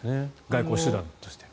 外交手段として。